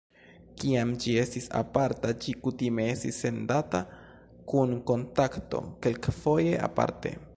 Kiam ĝi estis aparta, ĝi kutime estis sendata kun "Kontakto", kelkfoje aparte.